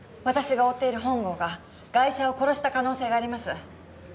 私が追っている本郷がガイシャを殺した可能性があります。